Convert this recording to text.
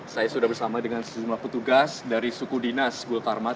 saya sudah bersama dengan sejumlah petugas dari suku dinas gul tarmat